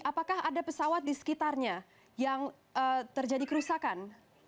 apakah ada pesawat di sekitarnya yang terjadi kerusakan